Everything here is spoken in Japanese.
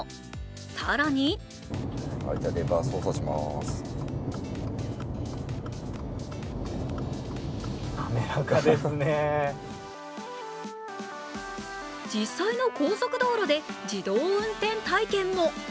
更に実際の高速道路で自動運転体験も。